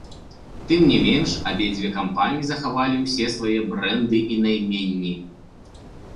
Тым не менш, абедзве кампаніі захавалі ўсе свае брэнды і найменні.